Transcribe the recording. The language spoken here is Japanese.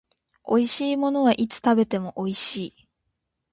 美味しいものはいつ食べても美味しい